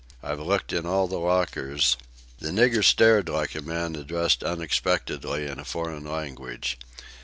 I've looked in all the lockers...." The nigger stared like a man addressed unexpectedly in a foreign language.